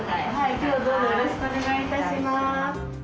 今日はどうぞよろしくお願い致します。